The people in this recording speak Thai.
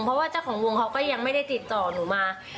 เพราะว่าเจ้าของวงเขาก็ยังไม่ได้ติดต่อหนูมา